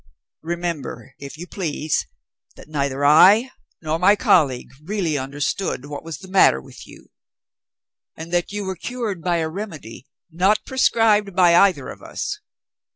Remember, if you please, that neither I nor my colleague really understood what was the matter with you; and that you were cured by a remedy, not prescribed by either of us.